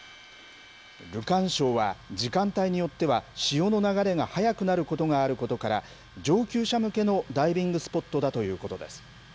ルカン礁は時間帯によっては、潮の流れが速くなることがあることから、上級者向けのダイビングスポットだということです。